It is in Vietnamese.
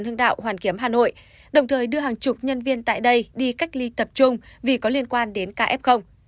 hưng đạo hoàn kiếm hà nội đồng thời đưa hàng chục nhân viên tại đây đi cách ly tập trung vì có liên quan đến caf